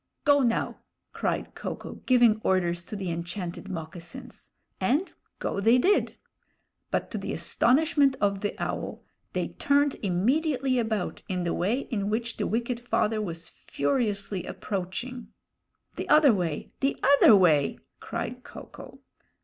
"Go now!" cried Ko ko, giving orders to the enchanted moccasins; and go they did. But to the astonishment of the Owl, they turned immediately about in the way in which the wicked father was furiously approaching. "The other way! the other way!" cried Ko ko.